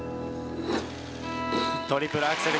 トリプルアクセル